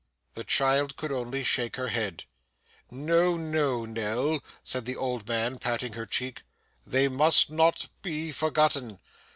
The child could only shake her head. 'No, no, Nell,' said the old man, patting her cheek; 'they must not be forgotten.